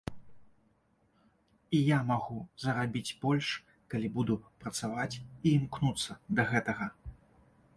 І я магу зарабіць больш, калі буду працаваць і імкнуцца да гэтага.